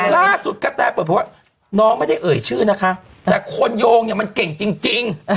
กระแตเปิดเพราะว่าน้องไม่ได้เอ่ยชื่อนะคะแต่คนโยงเนี่ยมันเก่งจริง